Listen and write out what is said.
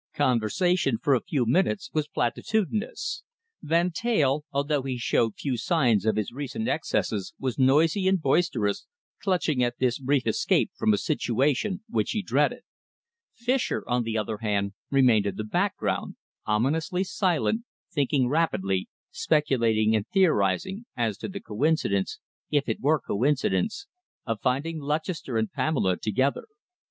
Conversation for a few minutes was platitudinous. Van Teyl, although he showed few signs of his recent excesses, was noisy and boisterous, clutching at this brief escape from a situation which he dreaded. Fischer on the other hand, remained in the back ground, ominously silent, thinking rapidly, speculating and theorising as to the coincidence, if it were coincidence, of finding Lutchester and Pamela together.